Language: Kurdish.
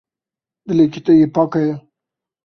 Dilekî te yê pak heye.